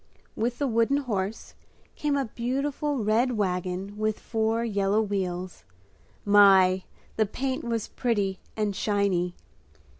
With the wooden horse came a beautiful red wagon with four yellow wheels. My! The paint was pretty and shiny.